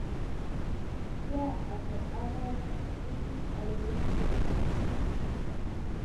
Here are the other things I used to deceive you.